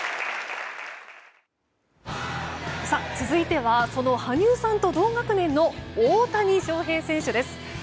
続いてはその羽生さんと同学年の大谷翔平選手です。